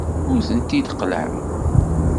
Ur tent-id-qellɛeɣ.